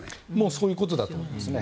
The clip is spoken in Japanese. そういうことだと思いますね。